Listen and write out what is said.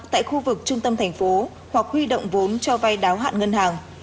tại khu vực trung tâm thành phố hoặc huy động vốn cho vay đáo hạn ngân hàng